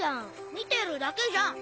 見てるだけじゃん。